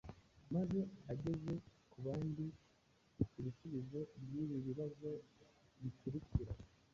maze ageze ku bandi ibisubizo by’ibi bibazo bikurikira: